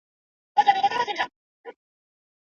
ژوند په کلي کې سره له ټولو سختیو یو ډول ارامتیا لري.